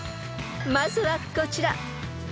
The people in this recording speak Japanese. ［まずはこちら］